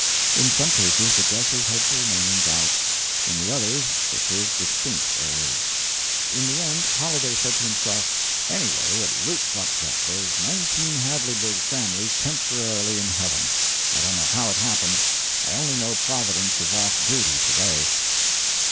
In some cases the guesses had to remain in doubt, in the others they proved distinct errors. In the end Halliday said to himself, "Anyway it roots up that there's nineteen Hadleyburg families temporarily in heaven: I don't know how it happened; I only know Providence is off duty to day."